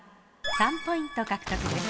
３ポイント獲得です。